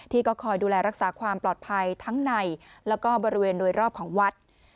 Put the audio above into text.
ก็คอยดูแลรักษาความปลอดภัยทั้งในแล้วก็บริเวณโดยรอบของวัด